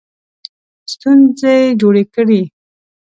ستونزې جوړې کړې.